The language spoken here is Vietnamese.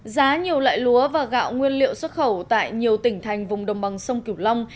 giá nhiều loại lúa và gạo nguyên liệu xuất khẩu tại nhiều tỉnh thành vùng đồng bằng sông kiểu long